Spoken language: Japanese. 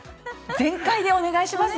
全開でお願いします